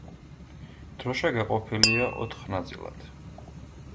დროშა გაყოფილია ოთხ ნაწილად.